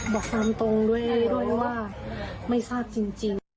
บอกตามตรงด้วยว่าไม่ทราบจริง